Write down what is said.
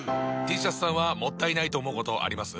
Ｔシャツさんはもったいないと思うことあります？